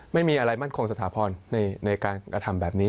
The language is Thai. ไม่มีอะไรมั่นคงสถาพรในการกระทำแบบนี้